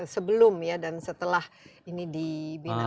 sebelum dan setelah ini di binatang